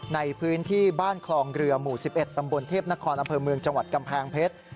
ในพื้นที่บ้านคลองเรือหมู่๑๑ตำบลเทพนครอำเภอเมืองจังหวัดกำแพงเพชร